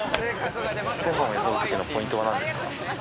ご飯をよそうときのポイントは何ですか？